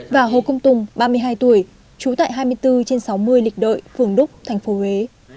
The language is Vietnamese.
và hồ công tùng ba mươi hai tuổi trú tại hai mươi bốn trên sáu mươi lịch đợi phường đúc thành phố huế